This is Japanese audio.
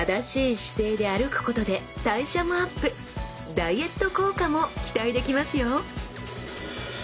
ダイエット効果も期待できますよ